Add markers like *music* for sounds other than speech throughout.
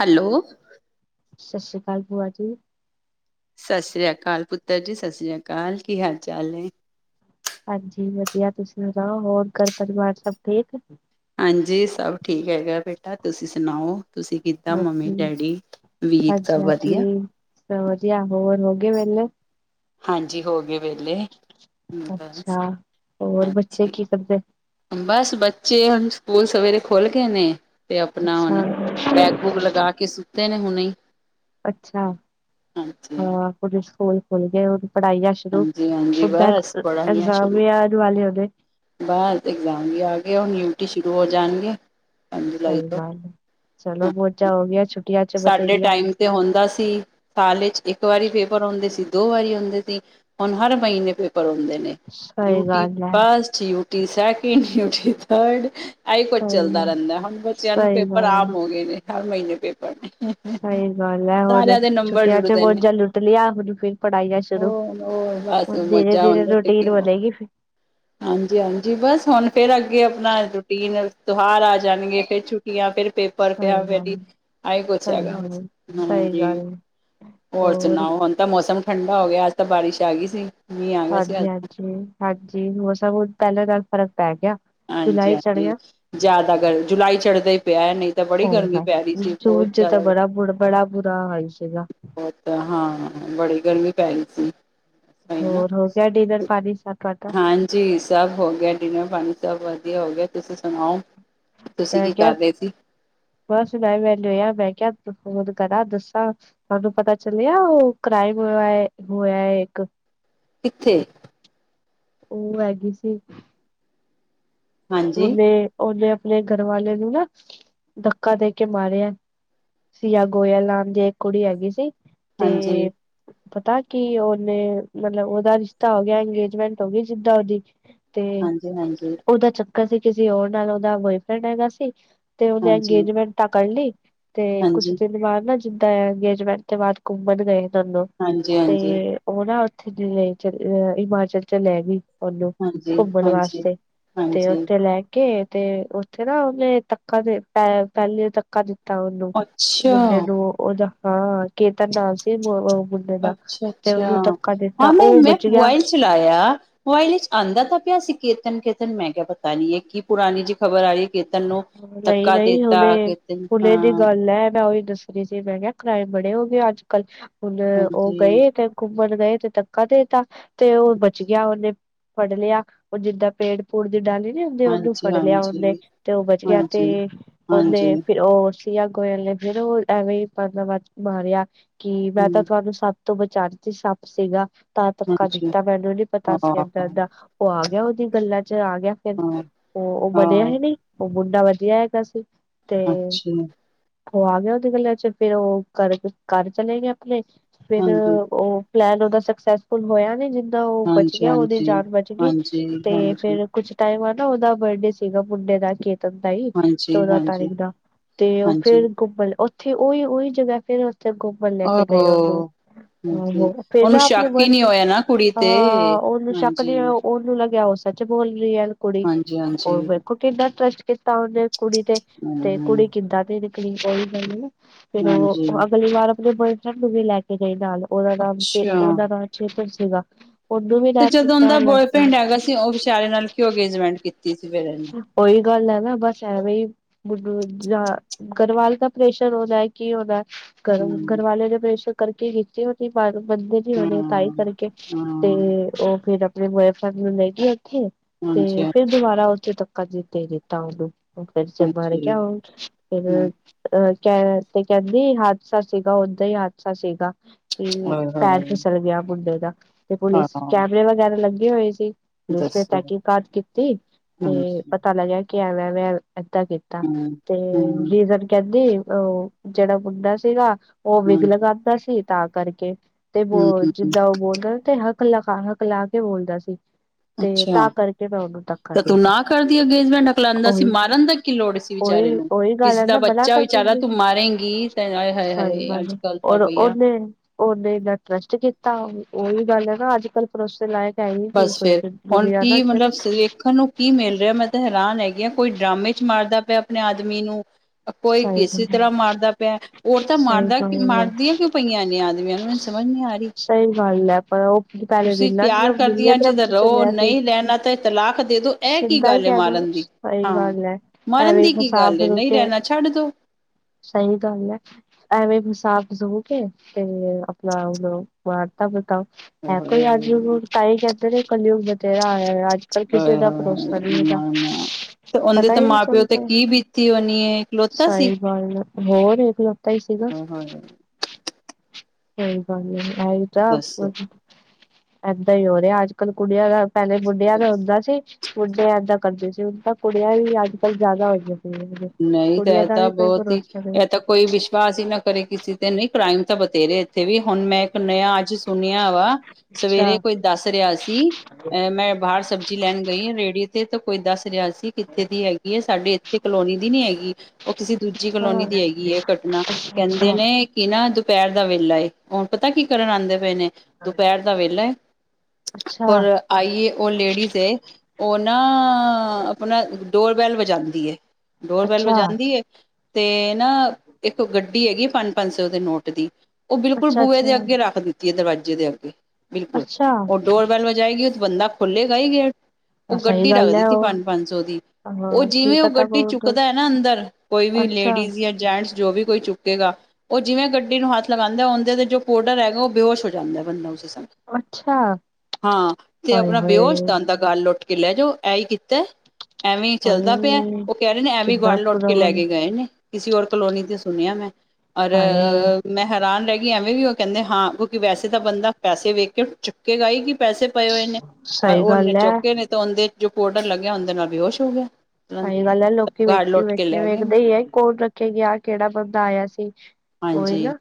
Hello, ਸਤਿਸ਼੍ਰੀਅਕਾਲ ਪੂਆ ਜੀ। ਸਤਿ ਸ੍ਰੀ ਅਕਾਲ ਪੁੱਤਰ ਜੀ। ਸਤਿ ਸ੍ਰੀ ਅਕਾਲ ਕੀ ਹਾਲ- ਚਾਲ ਨੈ। ਹਾਂਜੀ ਵਧਿਆ। ਤੁਸੀਂ ਸੁਣਾਓ ਹੋਰ ਕਰ ਪਰਿਵਾਰ ਚੇ ਸਭ ਠੀਕ? ਹਾਂਜੀ ਸਭ ਠੀਕ ਹੈਗਾ ਬੇਟਾ। ਤੁਸੀਂ ਸੁਣਾਓ ਤੁਸੀਂ। ਕਿਦਾਂ ਹਾਂਜੀ ਮੰਮੀ- ਡੈਡੀ, ਵੀਰ ਤਾਂ ਵਧਿਆ। ਸਬ ਵਧਿਆ ਹੋਰ ਹੋਗੇ ਵੇਲੇ। ਹਂਜੀ ਹੋ ਗਏ ਵੇਲੇ। ਬਸ, ਅੱਛਾ ਹੋਰ ਬੱਚੇ ਅਛਾ। ਕੀ ਕਰਦੇ ਬਸ ਬੱਚੇ ਹੁਣ ਸਕੂਲ ਸਵੇਰੇ ਖੋਲ ਗਏ ਨੇ। ਤੇ ਆਪਣਾ ਹੁਣ ਅੱਛਾ ਪੈਗ ਪੂਗ ਲਗਾ ਕੇ ਸੁੱਤੇ ਨੇ ਹੁਣੇ। ਅੱਛਾ। ਹਾਂਜੀ। ਹਾਂ ਹੁਨ ਸਕੂਲ ਖੁੱਲ ਗਏ ਪੜਾਈਆਂ ਸੁਰੂ। ਹਾਂਜੀ ਹਾਂਜੀ ਜਦੋਂ ਬਸ ਪੜ੍ਹਾਈਆਂ ਐਗਜ਼ਾਮ ਸ਼ੁਰੂ, ਦਵੇ ਆਉਣ ਵਾਲੇ ਹੁਣੇ। ਬਸ ਇਗਜਾਮ ਵੀ ਆ ਗਏ ਹੁਣ ਡੁਅਟੀ ਸ਼ੁਰੂਹੋ ਜਾਣ ਗੀ। ਸਹੀ ਗੱਲ ਹੈ। ਚਲੋ ਪੋਚਾ ਹੋ ਗਿਆ। ਸਾਡੇ ਟਾਈਮ ਤੇ ਹੁੰਦਾ ਸੀ ਸਾਲ ਵਿੱਚ ਇੱਕ ਵਾਰੀ ਪੇਪਰ ਆਂਦੇ ਸੀ ਦੋ ਵਾਰੀ ਆਂਦੇ ਸੀ। ਹੁਣ ਹਰ ਮਹੀਨੇ ਪੇਪਰ ਆੱਨਦੇ ਨੇ। ਸਹੀ ਊਟੀ ਗੱਲ ਹੈ ਫਸਟ, ਊਟੀ ਸੈਕਿੰਡ, ਊਟੀ ਤਰਡ ਇਹੀ ਕੁੱਛ ਸਹੀ ਚਲਦਾ ਗੱਲ ਰੇਨਦਾ ਏ। ਹੁਣ ਬੱਚਿਆਂ ਨੂੰ ਸਹੀ ਪੇਪਰ ਗੱਲ ਆਮ ਹੋ ਗਏ ਨੇ ਹਰ ਮਹੀਨੇ ਪੇਪਰ ਨੇ। ਸਹੀ ਗੱਲ ਹੈ ਹੁਣ ਸਾਰਿਆਂ ਦੇ ਨੰਬਰ ਛੁੱਟੀਆਂ ਚੇ ਜੁੜਦੇ ਨੇ ਮੂਜਾ ਲੁੱਟ ਲਿਆ। ਹੁਣ ਫਿਰ ਪੜਾਈਆਂ ਸੁਰੂ। ਹੋਰ ਹੋਰ ਬਸ ਹੁਣ ਧੀਰੇ- ਮੌਜਾਂ ਧੀਰੇ ਰੂਟੀਨ ਬਣੇਗੀ। ਫ ਹਂਜੀ- ਹਂਜੀ ਬਸ ਹੁਣ ਫੇਰ ਅੱਗੇ ਆਪਣਾ ਰੂਟੀਨ ਤਿਉਹਾਰ ਆ ਜਾਣਗੇ। ਫੇਰ ਛੁੱਟੀਆਂ, ਫੇਰ ਪੇਪਰ ਸਹੀ ਪਿਆ ਕਦੀ ਗੱਲ ਆਈ ਕੁਛ ਸਹੀ ਹੈਗਾ ਵਾ ਗੱਲ ਜੀ। ਸਹੀ ਹਂਜੀ ਗੱਲ ਹੋਰ ਸੁਣਾੳ ਹੁਨ ਤਾਂ ਮੂਸਮ ਹੈਗਾ। ਠੰਡਾ ਹੋ ਗਿਆ ਅਜ ਤਾਂ ਬਾਰਿਸ਼ ਆ ਗੀ ਸੀ ਮੀਂਹ ਆ ਗਿਆ ਸੀ ਹਾਂਜੀ ਅੱਜ ਤਾਂ ਹਾਂਜੀ ਹਾਂਜੀ ਹੋ ਸਥ *unintelligible* ਪਹਿਲਾਂ ਨਾਲ ਫਰਕ ਪੈ ਗਿਆ ਹਾਂਜੀ ਜੁਲਾਈ ਚੜ੍ਹ ਹਾਂਜੀ ਗਿਆ ਜਾਦਾ ਗਰ ਜੁਲਾਈ ਚੜਦੀ ਹੀ ਪਿਆ ਨਹੀਂ ਤਾਂ ਬੜੀ ਸਹੀ ਗਰਮੀ ਪੈ ਰਹੀ ਗੱਲ ਸੀ ਜੂਨ ਬਹੁਤ ਚ ਤਾਂ ਜਾਦਾ ਬੜਾ ਬੁ ਬੜਾ ਬੁਰਾ ਹਾਲ ਸੀਗਾ ਪਤਾ ਹਾਂ ਬੜੀ ਗਰਮੀ ਪੈ ਰਹੀ ਸੀ ਸਹੀ ਨਾ ਹੋਰ ਹੋ ਗਿਆ ਡਿਨਰ ਪਾਣੀ ਸਭ ਤੁਹਾਡਾ ਜੀ ਸਬ ਹੋ ਗਿਆ ਡਿਨਰ ਪਾਣੀ ਸਬ ਵਦੀਆ ਹੋਗਿਆ ਹੋ ਗਿਆ ਤੁਸੀਂ ਸੁਣਾਓ ਤੁਸੀਂ ਮੈਂ ਕੀ ਕਿਹਾ ਕਰ ਰਹੇ ਸੀ ਬਸ ਮੈਂ ਮੈ ਲਆ *unintelligible* ਮੈਂ ਕਿਹਾ ਫੋਨ ਕਰਾਂ ਦੱਸਾਂ ਤੁਹਾਨੂੰ ਪਤਾ ਚੱਲਿਆ ਉਹ ਕ੍ਰਾਈਮ *unintelligible* ਹੋਇਆ ਇੱਕ। ਕਿੱਥੇ? ਉਹ ਹੈਗੀ ਸੀ ਹਾਂਜੀ ਉਹਨੇ ਓਹਨੇ ਆਪਣੇ ਘਰਵਾਲੇ ਨੂੰ ਨਾ ਧੱਕਾ ਦੇ ਕੇ ਮਾਰਿਆ ਸੀਯਾ ਗੋਇਲ ਨਾਮ ਦੀ ਇੱਕ ਕੁੜੀ ਹੈਗੀ ਸੀ ਤੇ ਹਾਂਜੀ ਪਤਾ ਕੀ ਉਹਨੇ ਮਤਲਬ ਉਹਦਾ ਰਿਸ਼ਤਾ ਹੋ ਗਿਆ ਇੰਗੇਜਮੈਂਟ ਹੋ ਗੀ ਜਿੱਦਾਂ ਉਹਦੀ ਤੇ ਹਾਂਜੀ ਹਾਂਜੀ ਉਹਦਾ ਚੱਕਰ ਸੀ ਕਿਸੇ ਹੋਰ ਨਾਲ ਉਹਦਾ ਬੋਏਫਰੈਂਡ ਹੈਗਾ ਸੀ ਤੇ ਉਹਨੇ ਹਾਂਜੀ ਹਾਂਜੀ ਅੰਗੇਜਮੈਂਟ ਤਾਂ ਕਰ ਲੀ ਤੇ ਕੁਛ ਹਾਂਜੀ ਦਿਨ ਬਾਅਦ ਨਾ ਜਿੱਦਾਂ ਅੰਗੇਜਮੈਂਟ ਤੋਂ ਬਾਅਦ ਘੁੰਮਣ ਗਏ ਦੋਨੋ ਤੇ ਹਾਂਜੀ ਉਹ ਨਾ ਉੱਥੇ ਚ *unintelligible* ਹਿਮਾਚਲ ਚ ਲੈ ਗੀ ਉਹਨੂੰ ਹਾਂਜੀ ਘੁੰਮਣ ਹਾਂਜੀ ਵਾਸਤੇ ਤੇ ਉ ਹਾਂਜੀ ਲੈ ਕੇ ਤੇ ਉੱਥੇ ਨਾ ਉਹਨੇ ਧੱਕਾ ਦੇ ਪ ਪਹਿਲੇ ਧੱਕਾ ਦਿੱ ਦਿੱਤਾ ਉਹਨੂੰ ਅੱਛਾ ਮੁੰਡੇ ਨੂੰ ਉਹਦਾ ਹਾਂ ਕੇਤਨ ਨਾਂ ਸੀ ਓ *unintelligible* ਅੱਛਾ ਅੱਛਾ ਹਾਂ ਮੈਂ ਉਹ ਮੈਂ ਬਚ ਗਿਆ ਮੋਬਾਈਲ ਚਲਾਇਆ ਮੋਬਾਈਲ ਵਿੱਚ ਆਂਦਾ ਤਾਂ ਪਿਆ ਸੀ ਕੇਤਨ ਕੇਤਨ, ਮੈਂ ਕਿਹਾ ਪਤਾ ਨੀ ਏ ਕੀ ਪੁਰਾਣੀ ਜੀ ਖਬਰ ਆ ਰਹੀ। ਕੇਤਨ ਨੂੰ ਨਹੀਂ ਧੱਕਾ ਨਹੀਂ ਦੇਤਾ ਹੁਣੇ, ਕੇਤਨ ਹੁਣੇ ਦੀ ਹਾਂ ਗੱਲ ਐ ਮੈਂ ਉਹੀ ਦੱਸ ਦੱਸਣ ਡੀ, *unintelligible* ਮੈਂ ਕਿਹਾ ਕ੍ਰਾਈਮ ਬੜੇ ਹੋ ਗਏ ਅੱਜ ਕੱਲ ਹੁਣ ਉਹ ਹਾਂਜੀ। ਗਏ ਤੇ ਘੁੰਮਣ ਗਏ ਤੇ ਧੱਕਾ ਦੇ ਤਾ ਤੇ ਉਹ ਬਚ ਗਿਆ, ਉਹਨੇ ਫੜ ਲਿਆ ਉਹ ਜਿੱਦਾਂ ਪੇੜ ਪੁੜ ਦੀ ਡਾਲੀ ਨੀ ਹੁੰਦੀ ਉਹਨੂੰ ਫੜ ਲਿਆ ਉਹਨੇ ਹਾਂਜੀ-ਹਾਂਜੀ, ਤੇ ਉਹ ਬਚ ਗਿਆ ਤੇ ਹਾਂਜੀ। ਹਾਂਜੀ, ਉਹਨੇ ਉਹ ਸੀਯਾ ਗੋਇਲ ਨੇ ਫੇਰ ਉਹ ਐਵੇਂ ਈ ਬਹਾਨਾ ਮਾਰਿਆ ਕਿ ਮੈਂ ਤਾਂ ਹੂੰ ਤੁਹਾਨੂੰ ਸ ਪ ਤੋਂ ਬਚਾਂਦੀ ਸੱਪ ਸੀਗਾ ਤਾਂ ਧੱਕਾ ਹਾਂਜੀ ਦਿੱਤਾ ਮੈਨੂੰ ਨੀ ਪਤਾ ਸੀ ਏਦਾਂ ਹਾਂ-ਹਾਂ-ਹਾਂ। ਏਦਾਂ, ਉਹ ਆ ਗਿਆ ਉਹਦੀ ਗੱਲਾਂ ਚ ਆ ਗਿਆ ਫਿਰ ਉਹ ਉਹ ਬਣਿਆ ਹੀ ਨੀ, ਉਹ ਮੁੰਡਾ ਵਧੀਆ ਹੈਗਾ ਸੀ ਤੇ ਅੱਛਾ ਉਹ ਆ ਗਿਆ ਉਹਦੀ ਗੱਲਾਂ ਚ ਫਿਰ ਉਹ ਕਰ ਘਰ ਚਲੇ ਗਏ ਆਪਣੇ ਫੇਰ ਹਾਂਜੀ, ਉਹ ਪਲੈਨ ਉਹਦਾ ਸਕਸੈਸਫੁਲ ਹੋਇਆ ਨੀ ਜਿੰਦਾਂ ਉਹ ਬਚ ਗਿਆ, ਉਹਦੀ ਹਾਂਜੀ-ਹਾਂਜੀ, ਜਾਨ ਬਚ ਹਾਂਜੀ-ਹਾਂਜੀ। ਗਈ ਤੇ ਹਾਂਜੀ-ਹਾਂਜੀ, ਫਿਰ ਕੁਛ ਟਾਈਮ ਬਾਦ ਨਾ ਉਹਦਾ ਬਰਡੇ ਸੀਗਾ ਮੁੰਡੇ ਦਾ ਦਾ ਸੀ *unintelligible* ਹਾਂਜੀ ਹਾਂਜੀ ਚੌਦਾਂ ਹਾਂਜੀ ਤਾਰੀਕ ਦਾ ਤੇ ਉਹ ਹਾਂਜੀ ਫੇਰ ਘੁੰਮਣ ਉਥੇ ਓਹੀ ਉਹੀ ਜਗ੍ਹਾ ਫੇਰ ਉੱਥੇ ਘੁੰਮਣ ਲੈ ਕੇ ਗਈ ਉਹਨੂੰ ਓਹੋ ਹਾਂਜੀ ਆਹੋ ਫਿਰ ਉਹਨੂੰ ਨਾ ਆਪਣੇ ਸ਼ੱਕ ਹੀ ਮਨ ਨਹੀਂ ਨੂੰ ਹੋਇਆ ਨਾ ਕੁੜੀ *unintelligible* ਤੇ ਆਂ ਉਹਨੂੰ ਸ਼ੱਕ ਹਾਂਜੀ ਜਿਹਾ ਉਹਨ ਉਹਨੂੰ ਲੱਗਿਆ ਉਹ ਸੱਚ ਬੋਲ ਰਹੀ ਐ ਕੁੜੀ, ਹਾਂਜੀ ਉਹ ਹਾਂਜੀ ਵੇਖੋ ਕਿੰਨਾ ਟਰੱਸਟ ਕੀਤਾ ਉਹਨੇ ਕੁੜੀ ਤੇ ਤੇ ਹਮ ਕੁੜੀ ਕਿੱਦਾਂ ਦੀ ਨਿਕਲੀ ਉਹੀ ਗੱਲ ਨਾ ਫੇਰ ਹਾਂਜੀ ਉਹ ਅਗਲੀ ਵਾਰ ਆਪਣੇ ਬੁਆਏ ਉਹਨੂੰ ਵੀ ਲੈ ਕੇ ਗਈ ਨਾਲ, ਉਹਦਾ ਨਾਮ ਚੇ ਅੱਛਾ ਉਹਦਾ ਨਾਮ ਚੇਤਨ ਸੀਗਾ। ਉਹਨੂੰ ਵੀ ਤੇ ਲੈ ਕੇ ਜਦੋਂ ਔਂਦਾ ਨਾਲ ਲੈ ਕੇ ਬੁਆਏਫਰੈਂਡ ਹੈਗਾ ਸੀ, ਉਹ ਵਿਚਾਰੇ ਨਾਲ ਕਿਉਂ ਅੰਗੇਜਮੈਂਟ ਕੀਤੀ ਸੀ ਫੇਰ ਏ ਉਹੀ ਗੱਲ ਐ ਨਾ ਬਸ ਐਵੇਂ ਈ ਜਾਂ ਗਰਵਾਲੇ *unintelligible* ਦਾ ਪ੍ਰੇਸ਼ਰ ਹੋ ਜਾਏ ਕੀ ਹੋਣਾ ਗਰ ਹਮ ਘਰਵਾਲੇ ਨੇ ਪ੍ਰੇਸ਼ਰ ਕਰਕੇ ਕੀਤੀ ਹੋਣੀ ਪਾਗ਼ਲ ਬੰਦੀ *unintelligible* *unintelligible* ਉਹਨੇ ਤਾਈ ਹਮ ਕਰਕੇ ਤੇ ਹਮ ਉਹ ਫੇਰ ਆਪਣੇ ਬੁਆਏਫਰੈਂਡ ਨੂੰ ਲੈ ਗਈ ਉੱਥੇ ਹਾਂਜੀ ਤੇ ਫੇਰ ਹਾਂਜੀ ਦੁਬਾਰਾ ਉੱਥੇ ਧੱਕਾ ਦੇ ਦੇ ਦਿੱਤਾ ਉਹਨੂੰ *unintelligible* ਮਰ ਗਿਆ ਹਾਂਜੀ ਫਿਰ ਹਮ ਅਹ ਕਹ ਤੇ ਕਹਿੰਦੀ ਹਾਦਸਾ ਸੀਗਾ ਓਦਾਂ ਹੀ ਹਾਦਸਾ ਸੀਗਾ ਤੇ ਹਾਏ ਪੈਰ ਹਾਏ ਫਿਸਲ ਗਿਆ ਮੁੰਡੇ ਦਾ ਤੇ ਪੁਲਿਸ ਹਾਂ ਕੈਮਰੇ ਵਗੈਰਾ ਲੱਗੇ ਹੋਏ ਸੀ। ਪੁਲਿਸ ਨੇ ਦੱਸੋ ਤੈਕੀਕਾਤ ਕੀਤੀ ਤੇ ਹਾਂਜੀ ਪਤਾ ਲੱਗਿਆ ਕਿ ਐਵੇਂ-ਐਵੇਂ ਏਦਾਂ ਕੀਤਾ। ਹਮ ਤੇ ਹਮ ਰੀਜ਼ਨ ਕਹਿੰਦੀ ਉਹ ਜਿਹੜਾ ਮੁੰਡਾ ਸੀਗਾ ਉਹ ਵਿਗ ਹਾਂਜੀ ਲਗਾਂਦਾ ਸੀ ਤਾਂ ਕਰਕੇ ਤੇ ਬ ਹਮ ਜਿੱਦਾਂ ਉਹ ਬੋਲਦਾ ਤੇ ਹੱਕਲਾ-ਹਕਲਾ ਕੇ ਬੋਲਦਾ ਸੀ ਤੇ ਤਾਂ ਕਰਕੇ ਮੈਂ ਉਹਨੂੰ ਧੱਕਾ ਦੇ ਤਾ। ਕਲ੍ਹ ਦੀ ਅੰਗੇਜਮੈਂਟ ਆ ਹੱਕਲਾਦਾ ਸੀ, ਮਾਰਨ ਦਾ ਕੀ ਲੋੜ ਸੀ ਵਿਚਾਰੇ ਉਹੀ ਨੂੰ, ਉਹੀ ਗੱਲ ਕਿਸੇ ਹੈ ਦਾ ਨਾ ਬਲਾ ਬੱਚਾ ਕਰ ਵਿਚਾਰਾ ਦਿੰਦੇ। ਤੂੰ ਮਾਰੇਗੀ। ਆਏ ਹਾਏ ਸਹੀ ਹਾਏ ਅੱਜ ਗੱਲ ਕੱਲ੍ਹ ਤਾਂ ਔਰ ਬਈਆ ਉਹਨੇ ਉਹਨੇ ਇੰਨਾ ਟਰੱਸਟ ਕੀਤਾ ਉਹੀ ਗੱਲ ਐ ਨਾ ਅੱਜ-ਕੱਲ੍ਹ ਭਰੋਸੇ ਲਾਇਕ ਹੈ ਹੀ ਨਹੀ ਬਸ ਕੋਈ ਫੇਰ ਹੁਣ ਦੁਨੀਆਂ ਕੀ ਚ ਨਾ। ਮਤਲਬ ਵੇਖਣ ਨੂੰ ਕੀ ਮਿਲ ਰਿਹਾ ਮੈਂ ਤਾਂ ਹੈਰਾਨ ਹੈਗੀ ਹਾਂ ਕੋਈ ਡਰਾਮ ਚ ਮਾਰਦਾ ਪਿਆ ਆਪਣੇ ਆਦਮੀ ਨੂੰ। ਕੋਈ ਸਹੀ ਕਿਸੇ ਗੱਲ ਹੈ, ਤਰ੍ਹਾਂ ਮਾਰਦਾ ਪਿਆ ਔਰਤਾਂ ਸਹੀ ਮਾਰਦਾ ਗੱਲ ਹੈ। ਮਰਦੀਆਂ ਕਿਉ ਪਈਆਂ ਨੇ ਆਦਮੀਆਂ ਨੂੰ ਮੈਨੂੰ ਸਮਝ ਨਹੀਂ ਆ ਰਹੀ। ਸਹੀ ਗੱਲ ਹੈ ਪਰ ਉਹ ਪਹਿਲੇ ਤੁਸੀਂ ਦਿਨ ਲਭ ਪਿਆਰ ਕਰਦੀਆਂ ਜਦ ਰਹੋ ਨਹੀਂ ਰਹਿਣਾ ਤਾਂ ਤਲਾਕ ਦੇ ਦੋ ਇਹ ਕੀ ਸਿੱਧਾ ਹੀ ਗੱਲ ਕਹਿ ਦੋ ਮਾਰਨ ਦੀ ਸਹੀ ਹਾਂ ਗੱਲ ਹੈ ਮਰਨ ਐਵੇਂ ਦੀ ਕੀ ਫਸਾ ਗੱਲ ਹੈ ਫਸੂ ਨਹੀਂ ਕੇ ਰਹਿਣਾ ਛੱਡ ਦੋ। ਸਹੀ ਗੱਲ ਹੈ ਐਵੇਂ ਵੀ ਸਾਾਬ ਚੂਣ ਕੇ ਤੇ ਆਪਣਾ ਹੁਣ। ਮਾਰਤਾ ਬਤਾਓ ਹੈਂ ਕੋਈ ਅੱਜ ਤਾਂਾਈ ਕਹਦੇ ਰਹੇ ਕਲਯੁਗ ਬਥੇਰਾ ਆਇਆ ਅੱਜ। ਕੱਲ ਆ ਕਿਸੇ ਦਾ ਭਰੋਸਾ ਨਹੀਂ ਹੈਗਾ। ਨਾ ਨਾ ਤੇ ਉਹਦੇ ਪਤਾ ਤੇ ਹੀ ਨਹੀਂ ਮਾਂ-ਪਿਓ ਤੇ ਚੱਲਦਾ ਕੀ ਬੀਤੀ ਹੋਨੀ ਏ? ਸਹੀ ਗਾਲ ਹੋਰ ਇੱਕ ਲੜਕਾ ਹੀ ਸੀਗਾ। ਹਾਂ। ਸਹੀ ਗੱਲ ਹੈ ਇਹੀ ਤਾਂ ਦੱਸੋ ਏਦਾਂ ਹੀ ਹੋ ਰਿਹਾ ਅੱਜ-ਕੱਲ੍ਹ ਕੁੜੀਆਂ ਦਾ। ਪਹਿਲੇ ਮੁੰਡੇਆਂ ਦਾ ਹੁੰਦਾ ਸੀ। ਮੁੰਡੇ ਔਂਏਦਾਂ ਕਰਦੇ ਸੀ ਹੁਣ ਤਾਂ ਕੁੜੀਆਂ ਵੀ ਅੱਜ-ਕੱਲ੍ਹ ਜ਼ਿਆਦਾ ਹੋਈਆਂ ਜਾਂਦੀਆਂ। ਨਹੀਂ ਤਾਂ ਇਹ ਤਾਂ ਬਹੁਤ ਹੀ ਇਹ ਤਾਂ ਕੋਈ ਵਿਸ਼ਵਾਸ ਹੀ ਨਾ ਕਰੇ ਕਿਸੇ ਤੇ ਨਹੀਂ ਕ੍ਰਾਈਮ ਤਾਂ ਬਥੇਰੇ ਇੱਥੇ ਵੀ ਹੁਣ ਮੈ ਨਯਾ ਅੱਜ ਸੁਣਿਆ ਵਾ ਅੱਛਾ ਸਵੇਰੇ ਕੋਈ ਦੱਸ ਰਿਹਾ ਸੀ ਅ ਮੈਂ ਬਾਹਰ ਸਬਜ਼ੀ ਲੈਣ ਗਈ ਰੇੜੀ ਤੇ ਤਾਂ ਕੋਈ ਦੱਸ ਰਿਹਾ ਸੀ। ਕਿੱਥੇ ਦੀ ਹੈਗੀ ਹੈ ਸਾਡੇ ਇੱਥੇ ਕਲੋਨੀ ਦੀ ਨੀ ਹੈਗੀ ਉਹ ਕਿਸੇ ਦੂਜੀ ਕਲੋਨੀ ਦੀ ਅੱਛਾ ਹੈਗੀ ਏ ਘਟਨਾ ਕਹਿੰਦੇ ਅੱਛਾ ਨੇ ਕੀ ਨਾ ਦੁਪਹਿਰ ਦਾ ਵੇਲਾ ਏ ਹੁਣ ਪਤਾ ਕੀ ਕਰਨ ਆਦੇ ਪਏ ਨੇ ਦੁਪਹਿਰੇ ਤਾਂ ਵੇਲਾ ਹੋਰ ਅੱਛਾ ਆਈਏ ਉਹ ਲੇਡੀਜ਼ ਏ ਉਹ ਨਾ ਆਪਣਾ ਡੋਰਵੈੱਲ ਵਜਾਂਦੀ ਏ। ਡੋਰ ਬੈਲ ਅੱਛਾ ਵਜਾਂਦੀ ਏ ਤੇ ਨਾ ਇੱਕ ਗੱਡੀ ਹੈਗੀ ਪੰਜ-ਪੰਜ ਸੌ ਦੇ ਨੋਟ ਦੀ। ਉਹ ਬਿਲਕੁਲ ਅੱਛਾ ਬੂਹੇ ਦੇ ਅੱਗੇ ਰੱਖ ਦਿੱਤੀ ਏ ਦਰਵਾਜ਼ੇ ਦੇ ਅੱਗੇ ਬਿਲਕੁਲ ਉਹ ਅੱਛਾ ਡੋਰਬੈਲ ਵਜਾਏਗੀ ਉਹ ਬੰਦਾ ਖੋਲੇਗਾ ਹੀ ਗੇਟ। ਉਹ ਸਹੀ ਗੱਡੀ ਰੱਖ ਗੱਲ ਹੈ ਦਿੱਤੀ ਉਹ ਪੰਜ-ਪੰਜ ਸੌ ਦੀ ਉਹ ਹਾਂ ਕੀ ਜਿਵੇਂ ਉਹ ਪਤਾ ਗੱਡੀ ਕੌਣ ਚੁੱਕਦਾ ਹੈ ਨਾ ਅੰਦਰ ਕੋਈ ਵੀ ਅੱਛਾ ਲੇਡੀਜ਼ ਜਾਂ ਜੈਂਟਸ ਜੋ ਵੀ ਕੋਈ ਚੁੱਕ ਗਾ ਉਹ ਜਿਵੇਂ ਗੱਡੀ ਨੂੰ ਹੱਥ ਲਗਾਦਾ ਉਹਦੇ ਜੋ ਪੋਡਰ ਹੈਗਾ ਉਹ ਬੇਹਸ਼ ਹੋ ਜਾਂਦਾ ਬੰਦਾ ਉਸ ਹਿਸਾਬ ਨਾਲ। ਅੱਛਾ ਹਾਂ ਤੇ ਹਾਏ ਆਪਣਾ ਹਾਏ ਬੇਹੋਸ਼ ਤਾਨ ਤੱਕ ਘੱਰ ਲੁੱਟ ਕੇ ਲੈ ਜਾਓ ਐ ਹੀ ਕੀਤਾ ਐਵੇਂ ਚੱਲਦਾ ਪਿਆ। ਹਾਏ ਉਹ ਕਹਿ ਰਹੇ ਨੇ ਐ ਵੀ ਕਿੱਦਾਂ ਘੱਰ ਲੋਟ ਕੇ ਪੂਰਾ ਲੈ ਕੇ ਗਏ ਨੇ ਕਿਸੇ ਹੋਰ ਕਲੋਨੀ ਤੇ ਸੁਣਿਆ ਮੈਂ ਔਰ ਹਾਏ ਮੈਂ ਹੈਰਾਨ ਰਹਿ ਗਈ ਐਵੇਂ ਵੀ ਉਹ ਕਹਿੰਦੇ ਹਾਂ ਕਿਉਂਕਿ ਵੈਸੇ ਤਾਂ ਬੰਦਾ ਪੈਸੇ ਵੇਖ ਕੇ ਚੁੱਕੇਗਾ ਹੀ ਪੈਸੇ ਪਏ ਹੋਏ ਨੇ ਸਹੀ ਉਹਨੇ ਗੱਲ ਹੈ ਚੌੱਕੇ ਨੇ ਤੇ ਉਹਦੇ ਜੋ ਪੋਡਰ ਲੱਗਿਆ ਹੁੰਦਾ ਉਹਦੇ ਨਾਲ ਬੇਹਸ਼ ਹੋ ਗਿਆ। ਹਾਏ ਗੱਲ ਲੈਲੋ। ਗਾਰਡ ਲੁੱਟ ਕੇ ਵੇਖਿਆ ਲੈ ਗਏ ਵੇਖਦਾ ਨੇ ਹੀ ਹੈ ਕੌਣ ਰੱਖਿਆ ਗਿਆ ਕਿਹੜਾ ਬੰਦਾ ਆਇਆ ਸੀ ਉਹੀ ਹਾਂਜੀ ਨਾ।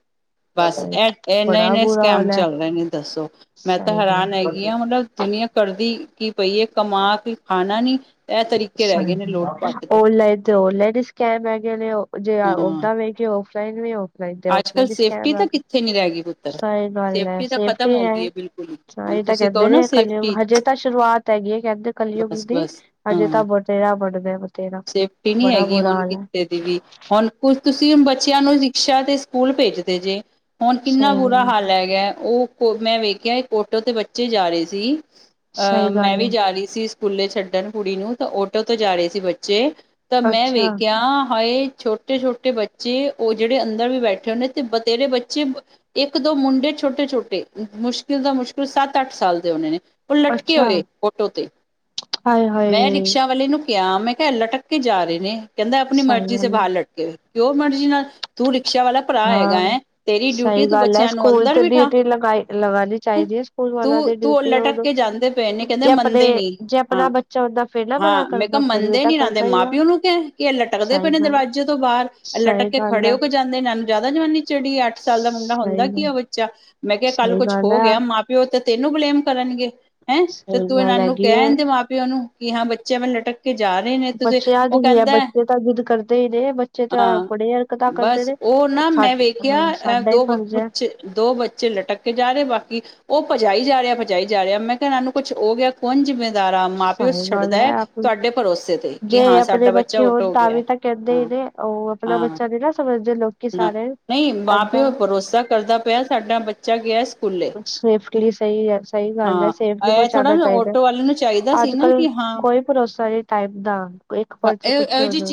ਬਸ ਇਹ ਇਨੇ ਬੜਾ ਇੰਨੇ ਬੁਰਾ ਸਕੈਮ ਹਾਲ ਹੈ ਚੱਲ ਰਹੇ ਨੇ ਦੱਸੋ ਮੈਂ ਤਾਂ ਸਹੀ ਗੱਲ ਹੈਰਾਨ ਹੈਗੀ ਹ ਹੁਣ ਮਲਬ ਦੁਨੀਆਂ ਕਰਦੀ ਕੀ ਪਈਏ ਕਮਾ ਕੇ ਖਾਣਾ ਨੀ ਇਹ ਤਰੀਕੇ ਰਹਿ ਗਏ ਨੇ ਲੋਟ ਪੱਟ। ਦੇ ਓਨਲਾਈਨ ਤੇ ੳਨਲਾਈਨ ਸਕੈਮ ਹੈਗੇ ਨੇ ਜੇ ਹਾਂ ਓਦਾਂ ਵੀ ਹੈ ਓਫਲਾਈਨ ਵੀ ਹੋ। ਨਹੀਂ ਤੇ ਅੱਜ ਔਫਲਾਇਨ ਕੱਲ੍ਹ ਵੀ ਸੇਫਟੀ ਸਕੈਮ ਐ ਤਾਂ ਕਿੱਥੇ ਨੀ ਰਹਿ ਗਈ ਪੁੱਤਰ ਸਹੀ ਗੱਲ ਐ ਤਾਂ ਖਤਮ ਸੇਫਟੀ ਹੋ ਹੈ ਗਈ ਬਿਲਕੁਲ ਹੀ ਹੁਣ ਇਹ ਤਾ ਤੁਸੀਂ ਕਹੋ ਕਹਿੰਦੇ ਨਾ ਨੇ ਕਲਯੁਗ ਸੇਫਟੀ ਹਜੇ ਤਾ ਸ਼ੁਰੂਆਤ ਹੈਗੀ ਹੈ ਕਹਿੰਦੇ ਕਲਯੁੱਗ ਬਸ ਦੀ। ਬਸ ਹਜੇ ਤਾ ਹਾਂ ਬਥੇਰਾ ਵੜਦੇ ਬਥੇਰਾ ਸੇਫਟੀ ਨਹੀਂ ਬੜਾ ਹੈਗੀ ਬੁਰਾ ਹੁਣ ਹਾਲ ਹੈ। ਕਿਤੇ ਦੀ ਵੀ ਹੁਣ ਤੁਸੀ ਬੱਚਿਆਂ ਨੂੰ ਰਿਕਸ਼ਾ ਤੇ ਸਕੂਲ ਭੇਜਦੇ ਜੇ। ਹੁਣ ਕਿੰਨਾ ਸਹੀ ਬੁਰਾ ਗੱਲ ਹਾਲ ਹੈਗਾ ਉਹ ਕੋ ਮੈਂ ਵੇਖਿਆ ਇੱਕ ਓਟੋ ਤੇ ਬੱਚੇ ਜਾ ਰਹੇ ਸੀ। ਅਹ ਸਹੀ ਮੈਂ ਗੱਲ ਵੀ ਹੈ ਜਾ ਰਹੀ ਸੀ ਸਕੂਲੇ ਛੱਡਣ ਕੁੜੀ ਨੂੰ ਤਾਂ ੳਟੋ ਤੇ ਜਾ ਰਹੇ ਸੀ ਬੱਚੇ। ਤਾ ਮੈਂ ਅੱਛਾ ਵੇਖਿਆ ਹਾਏ ਛੋਟੇ ਛੋਟੇ ਬੱਚੇ ਉਹ ਜਿਹੜੇ ਅੰਦਰ ਵੀ ਬੈਠੇ ਹੋਏ ਨੇ ਤੇ ਬਥੇਰੇ ਬੱਚੇ ਇੱਕ ਦੋ ਮੁੰਡੇ ਛੋਟੇ-ਛੋਟੇ ਮੁਸ਼ਕਿਲ ਤੋਂ ਮੁਸ਼ਕਿਲ ਸੱਤ, ਅੱਠ ਸਾਲ ਦੇ ਹੋਣੇ ਨੇ। ਉਹ ਲੱਟਕੇ ਅੱਛਾ ਹੋਏ ਓਟੋ ਤੇ, ਹਾਏ ਮੈਂ ਹਾਏ ਰਿਕਸ਼ਾ ਵਾਲੇ ਨੂੰ ਕਿਹਾ ਮੈਂ ਲਟਕ ਕੇ ਜਾ ਰਹੇ ਨੇ ਕਹਿੰਦਾ ਆਪਣੀ ਸਹੀ ਮਰਜ਼ੀ ਸੇ ਗੱਲ ਹੈ ਬਾਹਰ ਲਟਕੇ ਕਿਉ ਮਰਜ਼ੀ ਨਾਲ ਤੂੰ ਰਿਕਸ਼ਾ ਵਾਲਾ ਭਰਾ ਹੈਗਾ ਹਾਂ ਏ ਤੇਰੀ ਡਿਊਟੀ ਸਹੀ ਤੂੰ ਗੱਲ ਹੈ ਬੱਚਿਆ ਨੂੰ ਸਕੂਲ ਅੰਦਰ ਤੇ ਬਿਠਾ। ਡਿਊਟੀ ਲਗਾਈ ਲਗਾਉਣੀ ਚਾਹੀਦੀ ਹੈ ਸਕੂਲ ਵਾਲਾ ਦੀ ਤੂੰ-ਤੂੰ ਡਿਊਟੀ ਲਟਕ ਉਹਨੂੰ ਕੇ ਜਾਂਦੇ ਪਏ ਨੇ ਕਹਿੰਦੇ ਜੇ ਆਪਣੇ ਮੰਨਦੇ ਨੀ ਜੇ ਆਪਣਾ ਹਾਂ। ਬੱਚਾ ਓਦਾਂ ਫੇਰ ਨਾ ਮਨਾ ਹਾਂ ਮੈਂ ਕਿਹਾ ਕਰਦਾ ਫੇਰ ਵੀ ਮੰਨਦੇ ਤਾਂ ਨੀ ਰਹਿੰਦੇ ਕਰਦਾ ਹੀ ਮਾਂ ਆ ਪਿਓ ਨੂੰ ਕਹਿ ਕੇ ਲਟਕਦੇ ਪਏ ਸਹੀ ਨੇ ਗੱਲ ਦਰਵਾਜ਼ੇ ਤੋਂ ਬਾਰ। ਸਹੀ ਗੱਲ ਹੈ। ਜਾਂਦੇ ਨੇ ਇਹ ਨੂੰ ਜ਼ਿਆਦਾ ਜਵਾਨੀ ਚੜੀ ਅੱਠ ਸਾਲ ਦਾ ਮੁੰ ਸਹੀ ਹੁੰਦਾ ਕੀ ਗੱਲ ਆ ਬੱਚਾ ਮੈਂ ਕਿਹਾ ਕੱਲ ਸਹੀ ਕੁਛ ਗੱਲ ਹੋ ਗਿਆ ਹੈ ਮਾਂ ਪਿਓ ਤਾਂ ਤੈਨੂੰ ਬਲੇਮ ਕਰਨਗੇ। ਹੈ ਤੇ ਸਹੀ ਤੂੰ ਇਹਨਾ ਗੱਲ ਨੂੰ ਹੈਗੀ ਕਹਿ ਹੈ ਦਿੰਦੇ ਮਾਂ ਪਿਓ ਨੂੰ ਕਿ ਹਾਂ ਬੱਚੇ ਮੈਂ ਲਟਕ ਕੇ ਜਾ ਰਹੇ ਨੇ ਤੁਸੀ ਬੱਚਿਆਂ ਉਹ ਦੀ ਹੀ ਹੈ ਕਹਿੰਦਾ ਬੱਚੇ ਤਾਂ ਜਿੱਦ ਕਰਦੇ ਹੀ ਨੇ ਬੱਚੇ ਤਾਂ ਹਾਂ। ਬੜੀ ਹਰਕਤਾਂ ਕਰਦੇ ਬਸ ਨੇ ਉਹ ਨਾ ਸਾ ਮੈਂ ਵੇਖਿਆ ਸਾਡਾ ਹੀ ਦੋ ਫਰਜ਼ ਹੈ ਪੁਛ ਦੋ ਬੱਚੇ ਲਟਕ ਕੇ ਜਾ ਰਹੇ ਬਾਕੀ ਉਹ ਭਜਾਈ ਜਾ ਰਿਹਾ, ਭਜਾਈ ਜਾ ਰਿਹਾ ਮੈਂ ਕਿਹਾ ਇਹ ਨੂੰ ਕੁੱਛ ਹੋ ਗਿਆ ਕੌਣ ਜਿੰਮੇਦਾਰਾ ਮਾਂ ਪਿਓ ਸਹੀ ਛੱਡਦਾ ਗੱਲ ਹੈ ਆਪ ਤੁਹਾਡੇ ਭਰੋਸੇ ਤੇ ਕਿ ਹਾ ਸਾਡਾ ਬੱਚਾ ਆਟੋ ਹੋ ਗਿਆ। ਤਦਹੀ ਹਾਂ ਤੇ ਉਹ ਆਪਣਾ ਹਾਂ ਬੱਚਾ ਨੀ ਨਾ ਸਮਝਦੇ ਲੋਕੀ ਨਾ ਸਾਰੇ ਨਹੀਂ ਮਾਂ ਏਦਾਂ ਪਿਓ ਭਰੋਸਾ ਕਰਦਾ ਪਿਆ ਸਾਡਾ ਬੱਚਾ ਗਿਆ ਸਕੂਲੇ ਸੇਫਟੀ ਲਈ ਸਹੀ ਹੈ ਸਹੀ ਗੱਲ ਹੈ ਹਾਂ ਸੇਫਟਲੀ ਇਹ ਥੋੜਾ ਪਹੁੰਚਾਨਣਾ ਨਾ ਚਾਹੀਦਾ। ਆਟੋ ਵਾਲੇ ਨੂੰ ਚਾਹੀਦਾ ਸੀ ਅੱਜ ਨਾ ਕੱਲ ਕਿ ਹਾਂ ਕੋਈ ਭਰੋਸਾ ਨੀ ਟਾਈਮ ਦਾ ਇੱਕ ਪਲ ਕੁਛ ਹੋ ਜਾ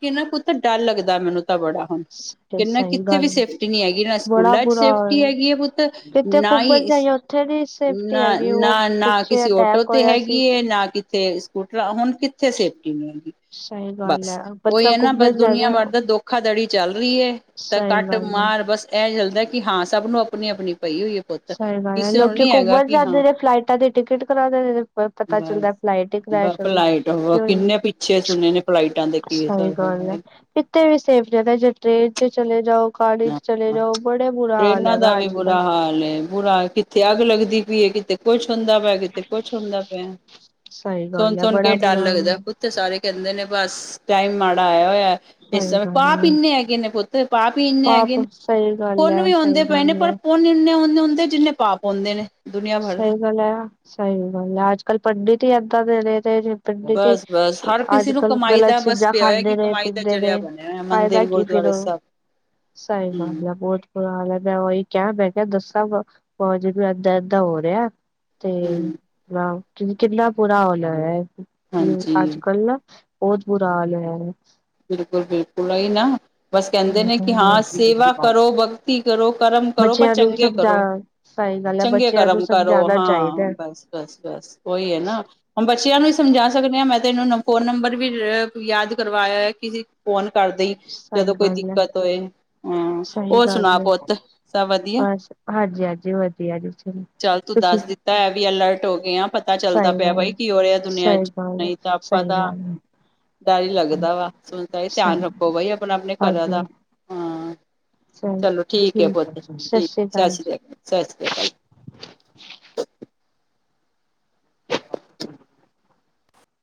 ਕਿੰਨਾ ਪੁਤ ਡਰ ਲੱਗਦਾ ਮੈਨੂੰ ਤਾਂ ਬੜਾ ਹੁਣ ਕਿਹਿੰਨਾ ਸਹੀ ਕਿੱਥੇ ਵੀ ਗੱਲ ਹੈ, ਸੇਫ ਸੇਫਟੀ ਨੀ ਹੈਗੀ ਨਾ ਬੜਾ ਸਕੂਲਾ ਚ ਬੁਰਾ ਹਾਲ ਸੇਫਟੀ ਹੈਗੀ ਹੈ ਪੁੱਤ ਕਿਤੇ ਨਾ ਹੀ ਘੁੰਮਣ *unintelligible* ਹੈਗੀ ਉਹ ਨਾ-ਨਾ, ਨਾ ਪਿੱਛੇ ਕਿਸੇ ਆਟੋ ਅਟੈਕ ਤੇ ਹੋਇਆ ਸੀ ਹੈਗੀ ਨਾ ਕਿ ਥੇ ਸਕੂਟਰ ਹੁਣ ਕਿੱਥੇ ਸੇਫਟੀ ਨੀ ਹੈਗੀ। ਸਹੀ ਗੱਲ ਬਸ ਹੈ ਉਹੀ ਬੰਦਾ ਹੈ ਨਾ ਬਸ ਘੁੰਮਣ ਦੁਨੀਆ ਜਾਵੇ ਭਰ ਦਾ ਧੋਖਾਧੜੀ ਚੱਲ ਰਹੀ ਹੈ। ਤਾਂ ਸਹੀ ਕੱਟ ਗੱਲ ਹੈ ਮਾਰ ਬਸ ਇਹ ਚੱਲਦਾ ਕਿ ਹਾਂ ਸਭ ਨੂੰ ਆਪਣੀ- ਆਪਣੀ ਪਈ ਹੋਈ ਹੈ ਪੁੱਤ ਸਹੀ ਕਿਸੇ ਨੂੰ ਲੋਕੀ ਨੀ ਹੈਗਾ ਘੁੰਮਣ ਕਿ ਜਾਂਦੇ ਹਾਂ ਨੇ ਫਲਾਈਟਾ ਦੀ ਟਿਕਟ ਕਰਾਉਦੇ ਨੇ ਪਤਾ ਬਸ। ਚੱਲਦਾ ਫਲਾਈਟ ਕਰੈਸ਼ ਹੋਗੀ, ਫਲਾਈਟ ਕਿ ਕਿੰਨੇ ਪਿੱਛੇ ਸੁਣੇ ਨੇ ਫਲਾਈਟਾਂ ਦੇ ਕੇਸ। ਸਹੀ ਗੱਲ ਹੈ। ਕੀਥੇ ਵੀ ਸੇਫ ਜਗਹ ਜੇ ਟ੍ਰੇਨ ਚ ਚਲੇ ਜਾਓ। ਕਾਰ ਚ ਚਲੇ ਹਾਂ ਜਾਔ ਬੜੇ ਬੁਰਾ ਹਾਲ ਟ੍ਰਰੇਨਾਂ ਦਾ ਹੈਗਾ ਵੀ ਅੱਜ ਕੱਲ। ਬੁਰਾ ਹਾਲ ਏ ਬੁਰਾ ਕਿੱਥੇ ਅੱਗ ਲੱਗਦੀ ਪਈਏ ਕਿੱਥੇ ਕੁੱਛ ਹੁੰਦਾ ਪੈ ਕਿਤੇ ਕੁੱਛ ਹੁੰਦਾ ਪਿਆ ਸਹੀ ਗੱਲ ਹੈ ਸੁਣ-ਸੁਣ ਕੇ ਬੜਾ ਡਰ ਬੁਰਾ ਹਾਲ ਹੈ ਲੱਗਦਾ ਕੁ ਸਾਰੇ ਕਹਿੰਦੇ ਨੇ ਬਸ ਟਾਈਮ ਮਾੜਾ ਆਇਆ ਹੋਇਆ ਇਸ ਸਹੀ ਸਮੇਂ ਪਾਪ ਗੱਲ ਹੈ ਇੰਨੇ ਹੈਗੇ ਨੇ ਪੁੱਤ ਪਾਪ ਹੀ ਹੈਗੇ ਪਾਪ ਨੇ ਸਹੀ ਗੱਲ ਪੁੰਨ ਹੈ ਵੀ ਸਹੀ ਹੁੰਦੇ ਪਏ ਨੇ ਗੱਲ ਪਰ ਹੈ ਪੁੰਨ ਇੰਨੇ ਹੇ ਹੁੰਦੇ ਜਿੰਨੇ ਪਾਪ ਹੁੰਦੇ ਨੇ। ਦੁਨੀਆਂ ਭਰ ਸਹੀ ਦੇ ਗੱਲ ਹੈ, ਸਹੀ ਗੱਲ ਹੈ ਅੱਜ ਕੱਲ ਪੰਡਿਤ ਹੀ ਏਦਾਂ ਦੇ ਨੇ ਤੇ ਪੰਡਿਤ ਜੀ ਬਸ ਬਸ ਹਰ ਅੱਜ ਕਿਸੇ ਨੂੰ ਕੱਲ ਕਮਾਈ ਗਲਤ ਦਾ ਬਸ ਚੀਜ਼ਾਂ ਪਿਆ ਹੋਇਆ ਖਾਂਦੇ ਨੇ ਪੀਂਦੇ ਨੇ ਫਾਇਦਾ ਕੀ ਫਿਰ ਦੁਆਲੇ ਉਹ। ਸਾਹਿਬ ਸਹੀ ਗੱਲ ਆ ਬਹੁਤ ਬੁਰਾ ਹਾਲ ਮੈਂ ਉਹੀ ਕਿਹਾ ਮੈਂ ਕਿਹਾ ਦੱਸਾ ਭੂਆ ਜੀ ਏਦਾ-ਏਦਾ ਹੋ ਰਿਹਾ। ਤੇ ਹੂੰ ਨਾ ਕਿੰਨਾ ਬੁਰਾ ਹਾਲ ਹੈ ਹਾਂਜੀ ਅੱਜ ਕੱਲ ਨਾ। ਬਹੁਤ ਬੁਰਾ ਹਾਲ ਹੋਇਆ ਹੈ। ਬਿਲਕੁਲ-ਬਿਲਕੁਲ ਇਹ ਹੀ ਨਾ। ਬਸ ਕਹਿੰਦੇ ਸਹੀ ਨੇ ਕਿ ਗੱਲ ਹਾਂ ਸੇਵਾ ਹੈ ਕਰੋ, ਭਗਤੀ ਕਰੋ, ਕਰਮ ਕਰੋ ਪਰ ਬੱਚਿਆਂ ਨੂੰ ਚੰਗੇ ਸਮਝਾ ਕਰੋ। ਸਹੀ ਗੱਲ ਹੈ ਚੰਗੇ ਬੱਚਿਆਂ ਨੂੰ ਕਰਮ ਕਰੋ ਸਮਝਾਉਣਾ ਚਾਹੀਦਾ ਹਾਂ ਹੈ। ਬਸ-ਬਸ, ਬਸ ਉਹੀ ਹੈ ਨਾ। ਹੁਣ ਬੱਚਿਆਂ ਨੂੰ ਵੀ ਸਮਝਾ ਸਕਦੇ ਹਾਂ ਮੈਂ ਤੈਨੂੰ ਫੋਨ ਨੰਬਰ ਵੀ ਯਾਦ ਕਰਵਾਇਆ ਕਿ ਫੋਨ ਕਰਦੇ ਜਦੋਂ ਸਹੀ ਕੋਈ ਗੱਲ ਹੈ ਦਿੱਕਤ ਹੋਏ। ਹਮ, ਸਹੀ ਹੋਰ ਸੁਣਾ ਗੱਲ ਹੈ ਪੁੱਤ ਸਭ ਵਧੀਆ। ਬਸ ਹਾਂਜੀ- ਹਾਂਜੀ, ਵਧੀਆ ਜੀ। ਚ' ਚੱਲ ਤੂੰ ਦੱਸ ਦਿੱਤਾ ਹੈ ਵੀ ਅਲਰਟ ਹੋ ਗਏ ਆ। ਤਾਂ ਚੱਲਦਾ ਸਹੀ ਪਿਆ ਬਾਈ ਗੱਲ ਕੀ ਹੋ ਰਿਹਾ ਦੁਨੀਆਂ ਸਹੀ ਚ' ਗੱਲ ਨਹੀਂ ਤਾਂ ਆਪਾਂ ਸਹੀ ਤਾਂ ਗੱਲ ਡਰ ਹੀ ਲੱਗਦਾ ਵਾ। ਸੁਣ ਤਾਂ ਇਹ ਧਿਆਨ ਸਹੀ ਰੱਖੋ ਬਾਈ, ਆਪਣਾ- ਆਪਣੇ ਘਰਾਂ ਦਾ ਹਾਂਜੀ ਹਾਂ। ਚਲੋ ਠੀਕ ਹੈ ਪੁੱਤ। ਸਤਿ ਸ੍ਰੀ ਅਕਾਲ, ਸਤਿ ਸ੍ਰੀ ਅਕਾਲ। ਅ *unintelligible*